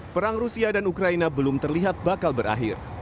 perang rusia dan ukraina belum terlihat bakal berakhir